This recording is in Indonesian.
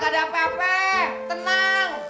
gak ada apa apa tenang